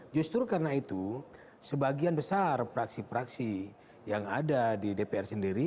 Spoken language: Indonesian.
justru karena itu sebagian besar praksi praksi yang ada di dpr sendiri